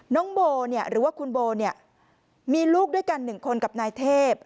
น้องโบเนี่ยหรือว่าคุณโบเนี่ยมีลูกด้วยกันหนึ่งคนกับนายเทพ